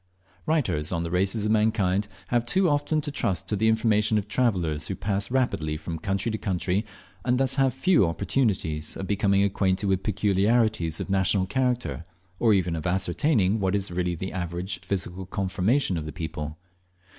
Writers on the races of mankind have too often to trust to the information of travellers who pass rapidly from country to country, and thus have few opportunities of becoming acquainted with peculiarities of national character, or even of ascertaining what is really the average physical conformation of the people.